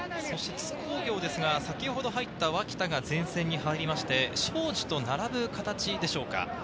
津工業ですが、先ほど入った脇田が前線に入りまして、庄司と並ぶ形でしょうか。